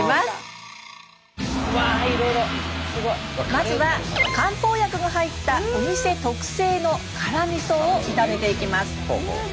まずは漢方薬が入ったお店特製の辛みそを炒めていきます。